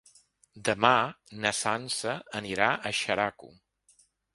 Demà na Sança anirà a Xeraco.